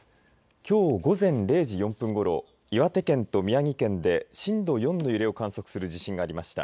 きょう午前０時４分ごろ岩手県と宮城県で震度４の揺れを観測する地震がありました。